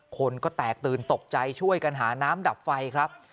คนก็แตกตื่นตกใจช่วยกันหาน้ำดับไฟครับ